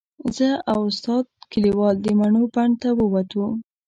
زه او استاد کلیوال د مڼو بڼ ته ووتو.